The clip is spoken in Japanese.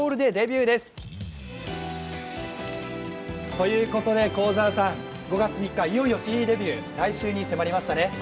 ということで幸澤さん、５月３日、いよいよＣＤデビュー、来週に迫りましたね。